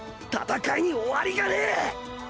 戦いに終わりがねえ！